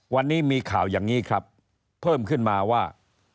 วันนี้มีข่าวอย่างนี้ครับเพิ่มขึ้นมาว่า